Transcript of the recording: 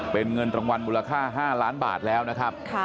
เป็นเงินรางวัลมูลค่า๕ล้านบาทแล้วนะครับ